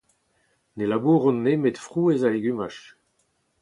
Ne labouront nemet frouezh ha legumaj.